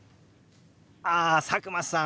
あ佐久間さん